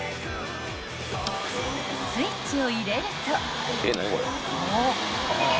［スイッチを入れると］